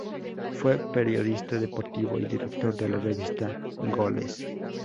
Fue periodista deportivo y director de la revista "Goles".